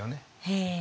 へえ。